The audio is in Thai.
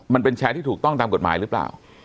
มันเป็นแชร์ที่ถูกต้องตามกฎหมายหรือเปล่า